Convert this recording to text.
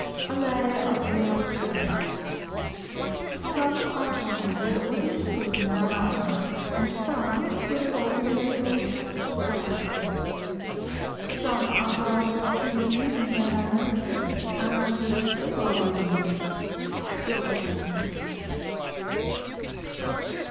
A LAY OF REAL LIFE "Some are born with a wooden spoon in their mouths, and some with a golden ladle." GOLDSMITH. "Some are born with tin rings in their noses, and with silver ones." SILVERSMITH.